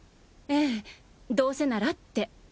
ええどうせならって。